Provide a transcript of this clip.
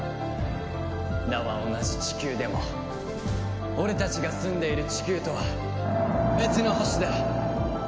名は同じ「ちきゅう」でも俺たちが住んでいるチキューとは別の星だ。